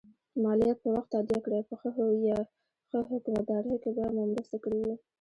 مالیات په وخت تادیه کړئ په ښه حکومتدارۍ کې به مو مرسته کړي وي.